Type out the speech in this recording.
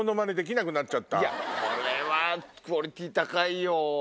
これはクオリティー高いよ。